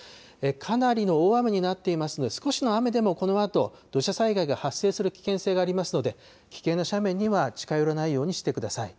かなりの大雨になっていますので、少しの雨でもこのあと土砂災害が発生する危険性がありますので、危険な斜面には近寄らないようにしてください。